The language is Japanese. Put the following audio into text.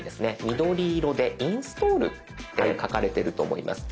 緑色で「インストール」って書かれてると思います。